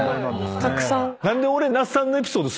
たくさん。